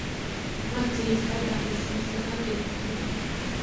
მას ძირითადად აბრეშუმისგან კერავდნენ.